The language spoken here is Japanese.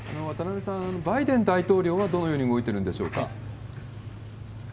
渡邊さん、バイデン大統領はどのように動いてるんでしょうか。